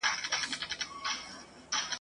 د عکسونو اخیستل او د غزل راتلل وه: !.